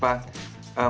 ya malam mbak puspa